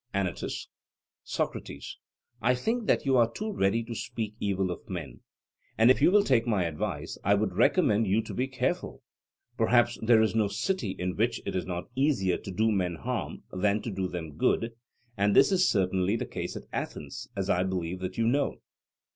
ANYTUS: Socrates, I think that you are too ready to speak evil of men: and, if you will take my advice, I would recommend you to be careful. Perhaps there is no city in which it is not easier to do men harm than to do them good, and this is certainly the case at Athens, as I believe that you know.